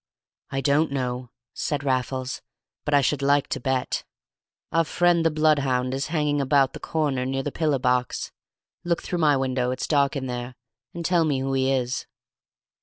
"I don't know," said Raffles, "but I should like to bet. Our friend the bloodhound is hanging about the corner near the pillar box; look through my window, it's dark in there, and tell me who he is."